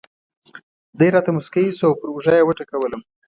دی راته مسکی شو او پر اوږه یې وټکولم.